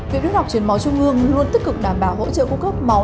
viện đức đọc chuyển máu trung hương luôn tích cực đảm bảo hỗ trợ cung cấp máu